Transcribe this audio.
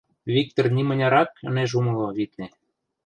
— Виктыр нимынярак ынеж умыло, витне.